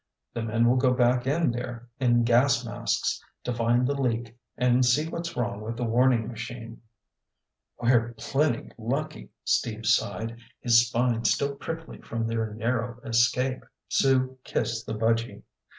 "The men will go back in there in gas masks to find the leak and see what's wrong with the warning machine." "We're plenty lucky!" Steve sighed, his spine still prickly from their narrow escape. Sue kissed the budgy.